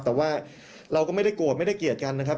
แต่ว่าเราก็ไม่ได้โกรธไม่ได้เกลียดกันนะครับ